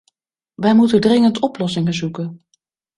Wij moeten dringend oplossingen zoeken.